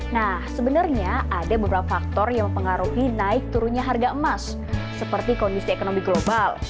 nah sebenarnya ada beberapa faktor yang mempengaruhi naik turunnya harga emas seperti kondisi ekonomi global